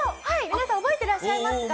皆さん覚えてらっしゃいますか？